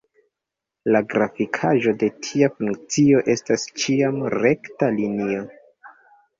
La grafikaĵo de tia funkcio estas ĉiam rekta linio.